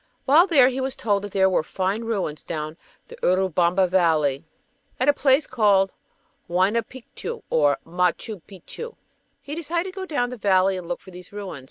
While there he was told that there were fine ruins down the Urubamba Valley at a place called "Huaina Picchu or Matcho Picchu." He decided to go down the valley and look for these ruins.